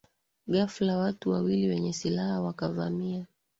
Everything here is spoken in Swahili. Ghafla watu wawili wenye silaha wakavamia